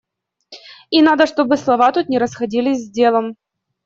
И надо, чтобы слова тут не расходились с делом.